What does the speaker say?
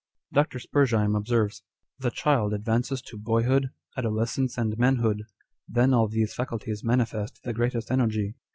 Dr. Spurzheim observes,1 " The child advances to boy hood, adolescence, and manhood. Then all these faculties manifest the greatest energy.